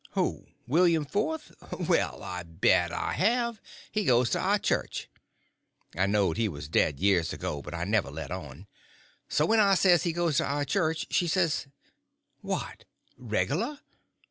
"Who? William Fourth? Well, I bet I have—he goes to our church." I knowed he was dead years ago, but I never let on. So when I says he goes to our church, she says: "What—regular?"